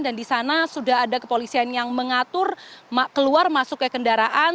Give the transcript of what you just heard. dan di sana sudah ada kepolisian yang mengatur keluar masuk ke kendaraan